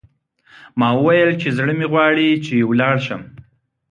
ما وویل چې، زړه مې غواړي چې ولاړ شم.